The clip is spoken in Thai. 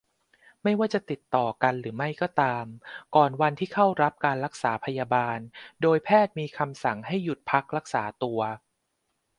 ไม่ว่าจะติดต่อกันหรือไม่ก็ตาม ก่อนวันที่เข้ารับการรักษาพยาบาล โดยแพทย์มีคำสั่งให้หยุดพักรักษาตัว